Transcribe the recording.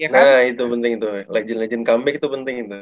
nah itu penting itu legend legend comeback itu penting itu